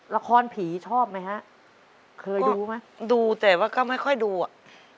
ละครผีชอบไหมฮะเคยดูไหมดูแต่ว่าก็ไม่ค่อยดูอ่ะ